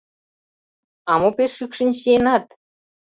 А мо пеш шӱкшын чиенат?